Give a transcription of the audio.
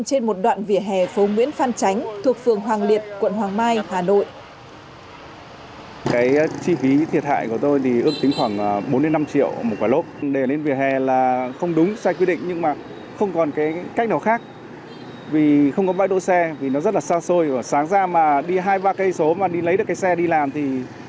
trên một đoạn vỉa hè phố nguyễn phan tránh thuộc phường hoàng liệt quận hoàng mai hà nội